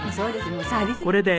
もうサービス業ですから。